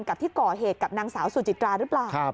กับที่ก่อเหตุกับนางสาวสุจิตราหรือเปล่า